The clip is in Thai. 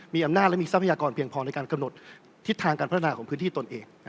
มีอำนาจและมีทรัพยากรเพียงพอในการกำหนดทิศทางการพัฒนาของพื้นที่ตนเอง